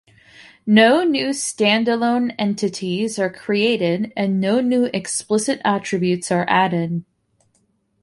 No new stand-alone entities are created and no new explicit attributes are added.